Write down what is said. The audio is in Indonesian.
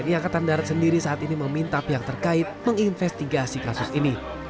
tni angkatan darat sendiri saat ini meminta pihak terkait menginvestigasi kasus ini